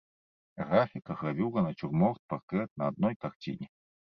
Графіка, гравюра, нацюрморт, партрэт на адной карціне.